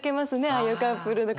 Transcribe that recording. ああいうカップルの方。